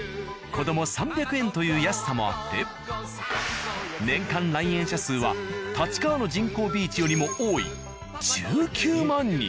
子ども３００円という安さもあって年間来園者数は立川の人工ビーチよりも多い１９万人。